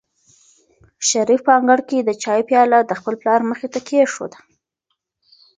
شریف په انګړ کې د چایو پیاله د خپل پلار مخې ته کېښوده.